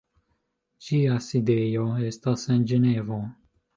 Ĝia sidejo estas en Ĝenevo.